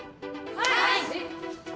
はい！